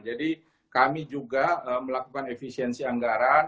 jadi kami juga melakukan efisiensi anggaran